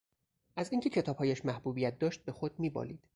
از این که کتابهایش محبوبیت داشت به خود میبالید